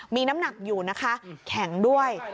มีน้ำหนักอยู่นะคะแข็งด้วย